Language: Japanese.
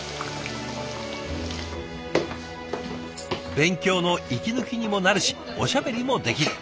勉強の息抜きにもなるしおしゃべりもできる。